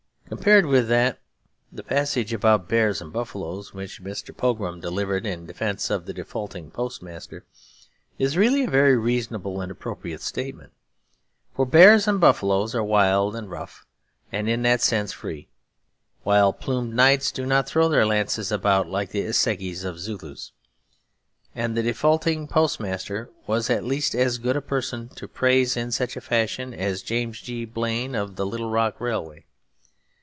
Compared with that, the passage about bears and buffaloes, which Mr. Pogram delivered in defence of the defaulting post master, is really a very reasonable and appropriate statement. For bears and buffaloes are wild and rough and in that sense free; while pluméd knights do not throw their lances about like the assegais of Zulus. And the defaulting post master was at least as good a person to praise in such a fashion as James G. Blaine of the Little Rock Railway.